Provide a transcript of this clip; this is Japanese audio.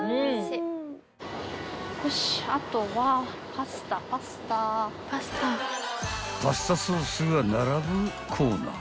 ［パスタソースが並ぶコーナー］